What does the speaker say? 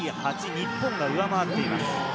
日本が上回っています。